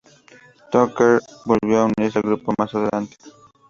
Tucker volvió a unirse al grupo más adelante.